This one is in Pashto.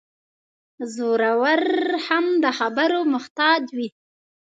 زورور هم د خبرو محتاج وي.